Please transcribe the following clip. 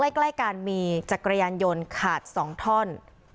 ใกล้กันมีจักรยานยนต์ขาด๒ท่อน